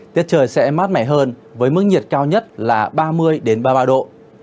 tiết trời sẽ mát mẻ hơn với mức nhiệt cao nhất là ba mươi ba mươi ba độ